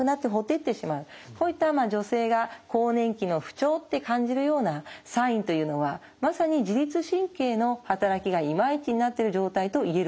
こういった女性が更年期の不調って感じるようなサインというのはまさに自律神経の働きがいまいちになってる状態と言えるわけなんです。